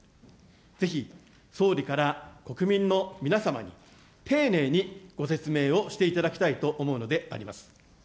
ぜひ、総理から国民の皆様に、丁寧にご説明をしていただきたいと思うのであります。